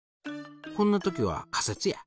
こんな時は仮説や。